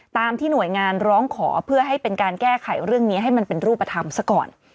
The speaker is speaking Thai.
ตามที่หน่วยงานร้องขอเพื่อให้เป็นการแก้ไขเรื่องนี้ให้มันเป็นรูปธรรมซะก่อน